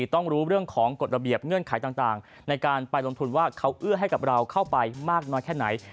ต้องรู้เรื่องของกฎระเบียบเงื่อนไขต่างในการไปลงทุนว่าเขาเอื้อให้กับเราเข้าไปมากน้อยแค่ไหน